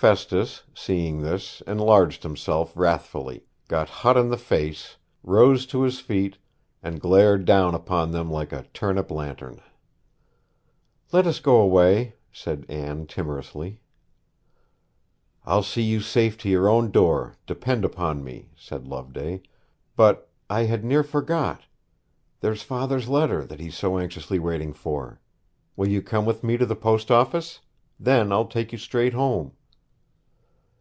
Festus, seeing this, enlarged himself wrathfully, got hot in the face, rose to his feet, and glared down upon them like a turnip lantern. 'Let us go away,' said Anne timorously. 'I'll see you safe to your own door, depend upon me,' said Loveday. 'But I had near forgot there's father's letter, that he's so anxiously waiting for! Will you come with me to the post office? Then I'll take you straight home.'